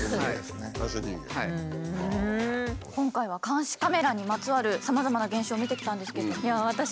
今回は監視カメラにまつわるさまざまな現象を見てきたんですけど私